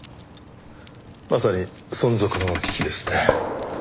まさに存続の危機ですね。